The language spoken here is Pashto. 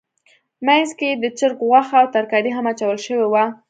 منځ کې یې د چرګ غوښه او ترکاري هم اچول شوې وه.